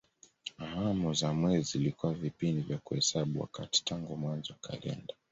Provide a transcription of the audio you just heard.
Awamu za mwezi zilikuwa vipindi vya kuhesabu wakati tangu mwanzo wa kalenda.